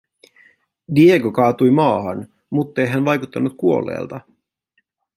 Diego kaatui maahan, muttei hän vaikuttanut kuolleelta.